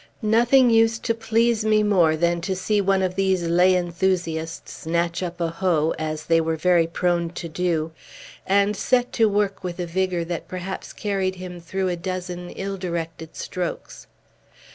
Nothing used to please me more than to see one of these lay enthusiasts snatch up a hoe, as they were very prone to do, and set to work with a vigor that perhaps carried him through about a dozen ill directed strokes.